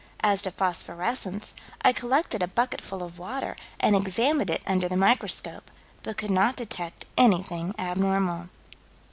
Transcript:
As to phosphorescence "I collected a bucketful of water, and examined it under the microscope, but could not detect anything abnormal."